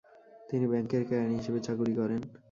তিনি ব্যাংকের কেরানি হিসেবে চাকুরী করেন।